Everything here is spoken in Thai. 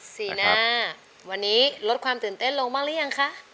สีหน้าวันนี้ลดความตื่นเต้นลงบ้างหรือยังคะ